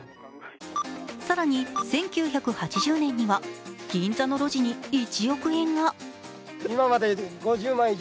更に１９８０年には、銀座の路地に１億円が。